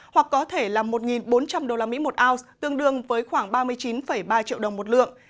hoặc có thể là một bốn trăm linh usd một ounce tương đương với khoảng ba mươi chín ba triệu đồng một lượng